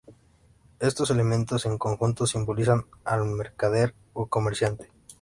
Estos elementos en conjunto simbolizan al mercader o comerciante.